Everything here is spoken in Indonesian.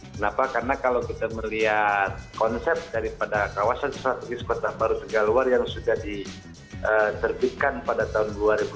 kenapa karena kalau kita melihat konsep daripada kawasan strategis kota baru tegaluar yang sudah diterbitkan pada tahun dua ribu dua puluh